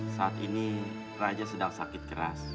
saat ini raja sedang sakit keras